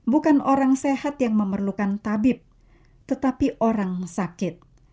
bukan orang sehat yang memerlukan tabib tetapi orang sakit